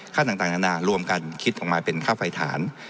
ต่างนานารวมกันคิดออกมาเป็นค่าไฟฐาน